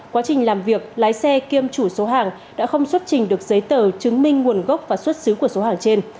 quá trình làm việc lái xe kiêm chủ số hàng đã không xuất trình được giấy tờ chứng minh nguồn gốc và xuất xứ của số hàng trên